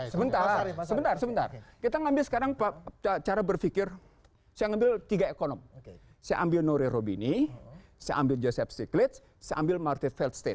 sebentar sebentar sebentar kita ambil sekarang cara berpikir saya ambil tiga ekonom saya ambil nuri robini saya ambil joseph stiglitz saya ambil martin feldstein